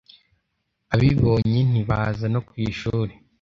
abibonye ntibaza no ku ishuri